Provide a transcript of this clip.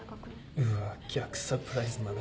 うわ逆サプライズ真中。